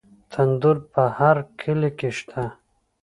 تندور په هر کلي کې شته.